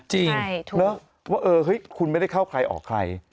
จริงถูกนะว่าเออเฮ้ยคุณไม่ได้เข้าใครออกใคร